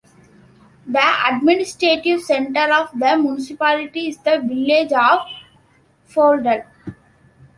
The administrative centre of the municipality is the village of Folldal.